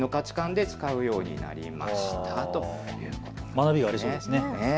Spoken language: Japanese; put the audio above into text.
学びがありそうですね。